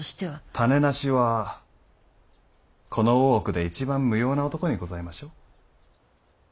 種無しはこの大奥で一番無用な男にございましょう？